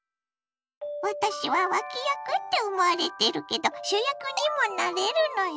「私は脇役って思われてるけど主役にもなれるのよ」。